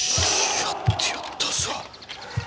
やってやったぞ。